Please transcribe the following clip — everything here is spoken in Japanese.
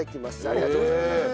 ありがとうございます。